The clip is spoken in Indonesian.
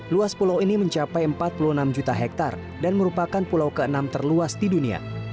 luas pulau ini mencapai empat puluh enam juta hektare dan merupakan pulau ke enam terluas di dunia